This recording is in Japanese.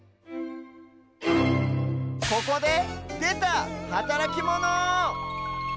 ここででたはたらきモノ！